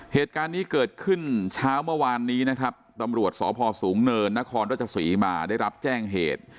เหตุการณ์นี้เกิดขึ้นเช้าเมื่อวานนี้นะครับตำรวจสพสูงเนินนครราชศรีมาได้รับแจ้งเหตุ